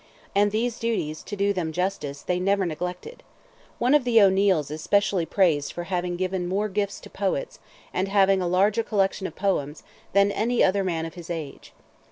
And these duties, to do them justice, they never neglected. One of the O'Neils is specially praised for having given more gifts to poets, and having "a larger collection of poems" than any other man of his age.